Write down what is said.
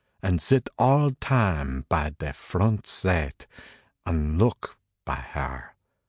) An sit al time bae dae front sate, An look bae har.